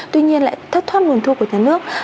tuy nhiên lại thất thoát nguồn thu của nhà nước